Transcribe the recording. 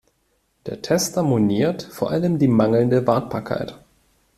Der Tester moniert vor allem die mangelnde Wartbarkeit.